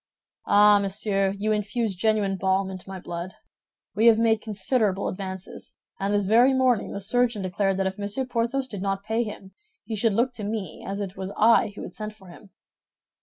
"Ah, monsieur, you infuse genuine balm into my blood. We have made considerable advances; and this very morning the surgeon declared that if Monsieur Porthos did not pay him, he should look to me, as it was I who had sent for him."